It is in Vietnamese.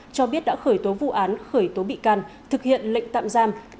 cho biết đã khởi tố vụ án khởi tố bị can thực hiện lệnh tạm giam